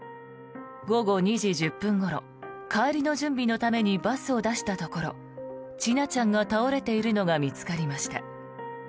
午後２時１０分ごろ帰りの準備のためにバスを出したところ千奈ちゃんが倒れているのが見つかりました。